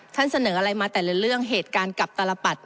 ท่านเสนออะไรมาแต่เรื่องเรื่องเหตุการณ์กับตลปัด